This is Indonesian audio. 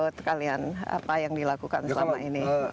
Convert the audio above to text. menurut kalian apa yang dilakukan selama ini